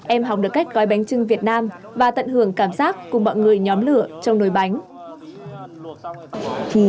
em học được cách gói bánh trưng việt nam và tận hưởng cảm giác cùng mọi người nhóm lửa trong nồi bánh